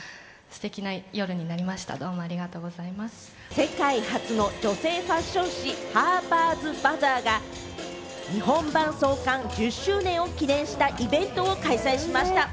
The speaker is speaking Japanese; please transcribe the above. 世界初の女性ファッション誌『ハーパーズバザー』が日本版創刊、１０周年を記念したイベントを開催しました。